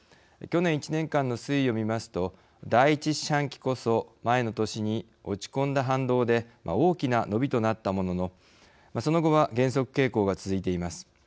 去年１年間の推移を見ますと第一四半期こそ前の年に落ち込んだ反動で大きな伸びとなったもののその後は、減速傾向が続いています。